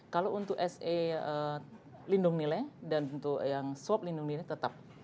kalau untuk se lindung nilai dan untuk yang swab lindung milik tetap